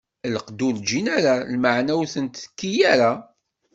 Lqedd ur ǧǧin ara, lmeɛna ur ten-tekki ara.